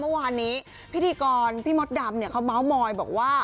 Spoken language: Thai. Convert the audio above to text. เมื่อวานนี้พิธีกรพี่มดดำเนี่ยเขาเมาส์มอยบอกว่า